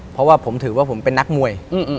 เพราะว่าผมถือว่าผมเป็นนักมวย